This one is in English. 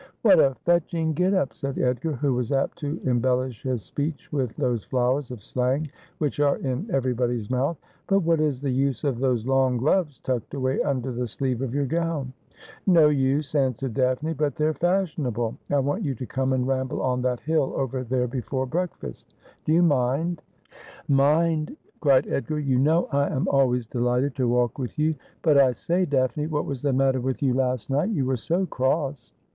' What a fetching get up,' said Edgar, who was apt to embel lish his speech with those flowers of slang which are in every body's mouth ;' but what is the use of those long gloves tucked away under the sleeve of your gown ?'' No use,' answered Daphne ;' but they're fashionable. I 298 AsphocleL want you to come and ramble on that hill over there before breakfast. Do you mind ?'' Mind !' cried Edgar. ' You know I am always delighted to walk with you. But, I say, Daphne, what was the matter with you last night ? You were so cross.'